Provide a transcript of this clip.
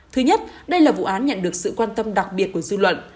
thứ nhất đây là vụ án nhận được sự quan tâm đặc biệt của dư luận